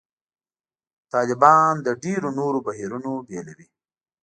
طالبان له ډېرو نورو بهیرونو بېلوي.